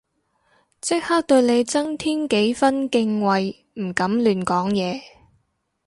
即刻對你增添幾分敬畏唔敢亂講嘢